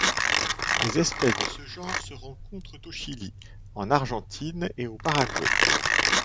Les espèces de ce genre se rencontrent au Chili, en Argentine et au Paraguay.